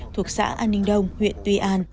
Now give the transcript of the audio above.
thuộc xã an ninh đông huyện tuy an